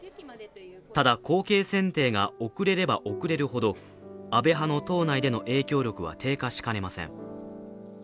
ただ、後継選定が遅れれば遅れるほど安倍派の党内での影響力は低下しかねません。